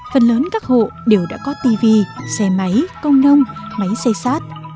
phần lớn các hộ đều đã có tivi xe máy công nông máy xe sát